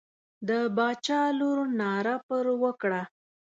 د باچا لور ناره پر وکړه.